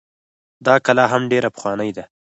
دا کلا هم ډيره پخوانۍ ده